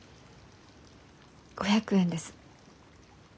５００円です。